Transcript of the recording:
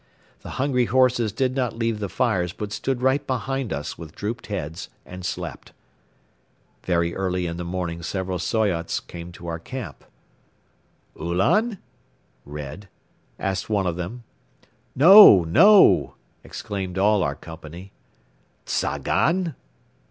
The hungry horses did not leave the fires but stood right behind us with drooped heads and slept. Very early in the morning several Soyots came to our camp. "Ulan? (Red?)" asked one of them. "No! No!" exclaimed all our company. "Tzagan?